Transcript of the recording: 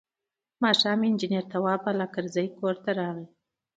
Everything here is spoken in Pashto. ماښام انجنیر تواب بالاکرزی کور ته راغی.